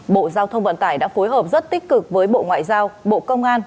bộ giao thông vận tải đã phối hợp rất tích cực với bộ ngoại giao bộ công an